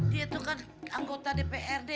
dia itu kan anggota dprd